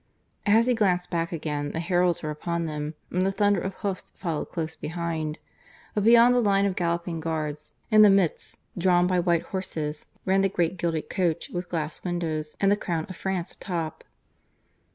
As he glanced back again the heralds were upon them, and the thunder of hoofs followed close behind. But beyond the line of galloping guards, in the midst, drawn by white horses, ran the great gilded coach with glass windows, and the crown of France atop.